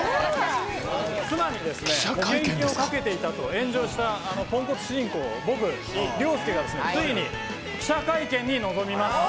妻に保険金をかけていたと炎上したポンコツ主人公僕凌介がついに記者会見に臨みます。